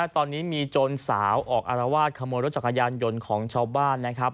ตอนนี้มีโจรสาวออกอารวาสขโมยรถจักรยานยนต์ของชาวบ้านนะครับ